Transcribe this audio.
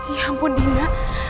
ya ampun dina